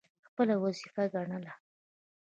خپله وظیفه ګڼله.